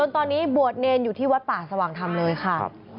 ตอนนี้บวชเนรอยู่ที่วัดป่าสว่างธรรมเลยค่ะ